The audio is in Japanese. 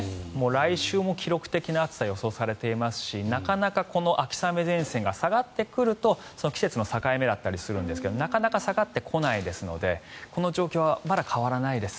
来週も記録的な暑さが予想されていますしなかなか秋雨前線が下がってくると季節の境目だったりするんですがなかなか下がってこないのでこの状況はまだ変わらないです。